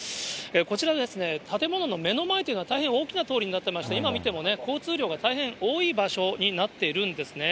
こちらですね、建物の目の前というのは大変大きな通りになっていまして、今見ても、交通量が大変多い場所になっているんですね。